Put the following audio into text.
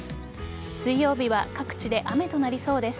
水曜日は各地で雨となりそうです。